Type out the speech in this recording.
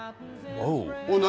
何？